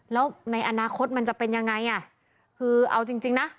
แล้วในอนาคตมันจะเป็นยังไงอ่ะคือเอาจริงจริงนะ